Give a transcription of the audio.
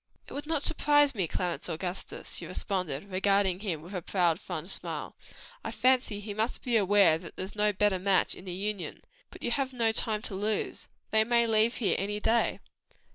"It would not surprise me, Clarence Augustus," she responded, regarding him with a proud, fond smile, "I fancy he must be aware that there's no better match in the Union. But you have no time to lose, they may leave here any day."